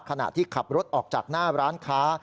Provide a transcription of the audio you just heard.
ขณะที่ขับรถออกจากหน้าร้านค้า